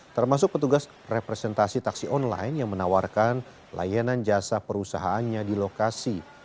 termasuk petugas representasi taksi online yang menawarkan layanan jasa perusahaannya di lokasi